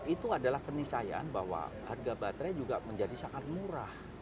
itu adalah kenisayaan bahwa harga baterai juga menjadi sangat murah